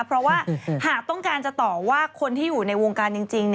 เพราะว่าหากต้องการจะต่อว่าคนที่อยู่ในวงการจริง